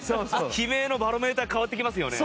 悲鳴のバロメーター変わってきますよね。